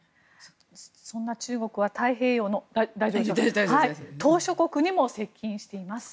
そんな中国は太平洋の島しょ国にも接近しています。